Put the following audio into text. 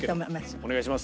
お願いします。